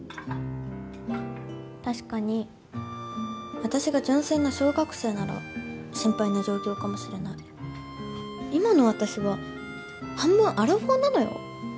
確かに私が純粋な小学生なら心配な状況かもしれない今の私は半分アラフォーなのよ？